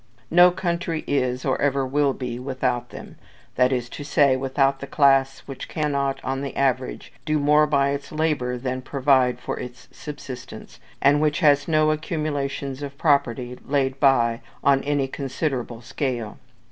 No country is, or ever will be, without them: that is to say, without the class which cannot, on the average, do more by its labour than provide for its subsistence, and which has no accumulations of property laid by on any considerable scale.